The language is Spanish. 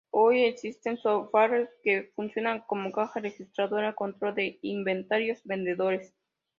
Hoy existen softwares que funcionan como: caja registradora, control de inventarios, vendedores.